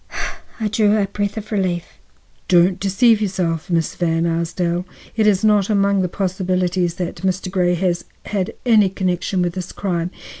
I drew a breath of relief. "Don't deceive yourself, Miss Van Arsdale; it is not among the possibilities that Mr. Grey has had any connection with this crime.